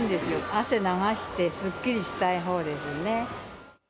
汗流してすっきりしたいほうですね。